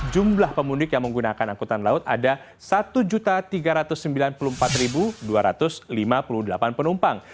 jumlah pemudik yang menggunakan angkutan laut ada satu tiga ratus sembilan puluh empat dua ratus lima puluh delapan penumpang